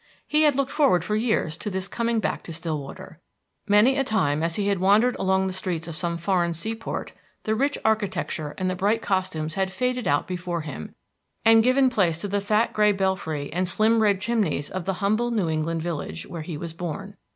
He had looked forward for years to this coming back to Stillwater. Many a time, as he wandered along the streets of some foreign sea port, the rich architecture and the bright costumes had faded out before him, and given place to the fat gray belfry and slim red chimneys of the humble New England village where he was born.